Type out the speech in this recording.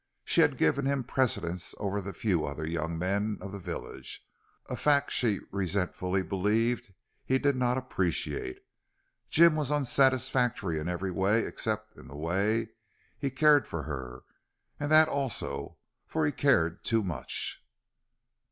She had given him precedence over the few other young men of the village, a fact she resentfully believed he did not appreciate. Jim was unsatisfactory in every way except in the way he cared for her. And that also for he cared too much.